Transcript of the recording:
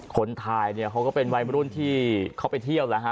คนถ่ายเนี่ยเขาก็เป็นวัยรุ่นที่เขาไปเที่ยวแล้วฮะ